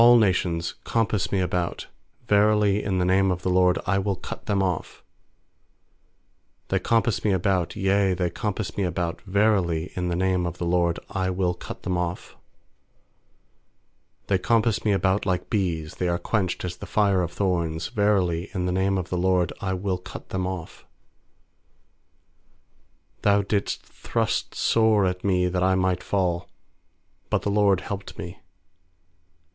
10A11 nations compass me about, Verily, in the name of the LORD I will cut them off. uThey compass me about, yea, they compass me about; Verily, in the name of the LORD I will cut them off. 12They compass me about like bees; , They are quenched as the fire of thorns; Verily, in the name of the LORD I will cut them off. 13Thou didst thrust sore at me that I might fall; But the LORD helped me.